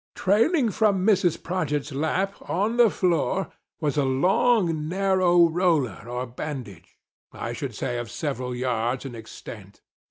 Trailing from Mrs. Prodgit's lap, on the floor, was a long narrow roller or bandage — I should say, of several yards in extent.